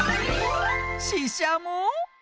ししゃも？